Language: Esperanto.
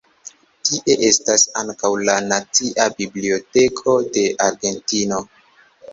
Tie estas ankaŭ la Nacia Biblioteko de Argentino.